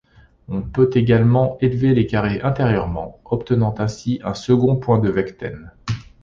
On peut également élever les carrés intérieurement, obtenant ainsi un second point de Vecten.